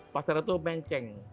pasar itu menceng